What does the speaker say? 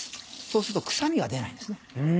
そうすると臭みが出ないんですね。